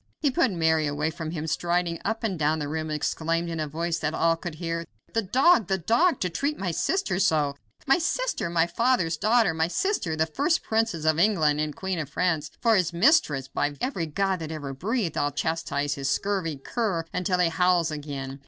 He put Mary away from him, and striding up and down the room exclaimed, in a voice that all could hear, "The dog! the dog! to treat my sister so. My sister! My father's daughter! My sister! The first princess of England and queen of France for his mistress! By every god that ever breathed, I'll chastise this scurvy cur until he howls again.